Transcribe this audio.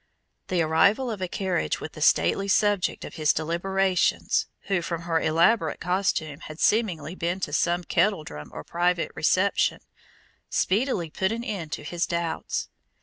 The arrival of a carriage with the stately subject of his deliberations, who from her elaborate costume had seemingly been to some kettledrum or private reception, speedily put an end to his doubts.